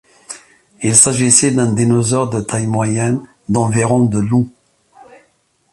Il s'agissait d'un dinosaure de taille moyenne d’environ de long.